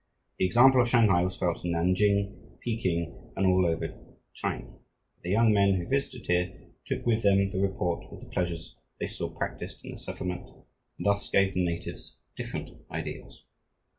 The example of Shanghai was felt in Nanking, Peking, and all over China, for the young men who visited here took with them the report of the pleasures they saw practiced in this settlement and thus gave the natives different ideas.